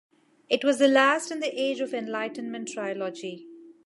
It was the last in the "Age of Enlightenment" trilogy.